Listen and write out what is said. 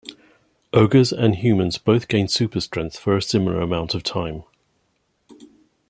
Ogres and humans both gain super strength for a similar amount of time.